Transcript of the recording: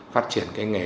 phát triển cái nghề